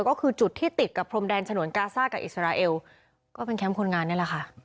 ก็คือจุดที่ติดกับพรมแดนฉนวนกาซ่ากับอิสราเอลก็เป็นแคมป์คนงานนี่แหละค่ะ